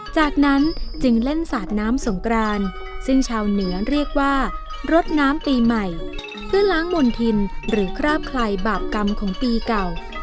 จากนั้นจึงเล่นสาดน้ำสงกรานซึ่งชาวเหนือเรียกว่ารดน้ำปีใหม่เพื่อล้างมณฑินหรือคราบคลายบาปกรรมของปีเก่า